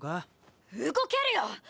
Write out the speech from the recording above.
動けるよ！